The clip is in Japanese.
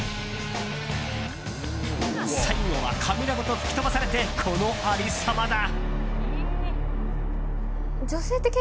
最後は、カメラごと突き飛ばされて、このありさまだ。